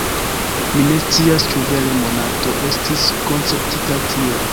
Mi ne scias, ĉu vere Monato estis konceptita tiel.